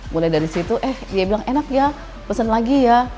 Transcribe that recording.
mulai dari situ eh dia bilang enak ya pesen lagi ya